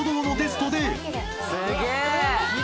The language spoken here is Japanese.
すげえ。